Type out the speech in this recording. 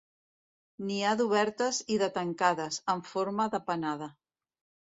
N'hi ha d'obertes i de tancades, en forma de panada.